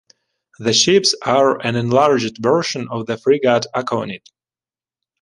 The ships are an enlarged version of the frigate "Aconit".